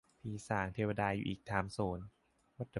ผีสางเทวดาอยู่อีกไทม์โซน